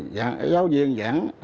giáo viên giảng